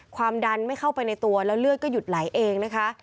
ความดันไม่เข้าไปในตัวแล้วเลือดก็หยุดไหลเองนะคะ